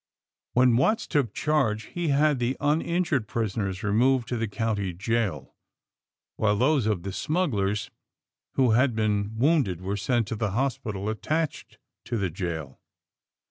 When "Watts took charge he had the uninjured prisoners removed to the county jail, while those of the smugglers who had been wounded were sent to the hospital attached to the jail.